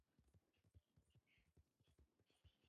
这倒是真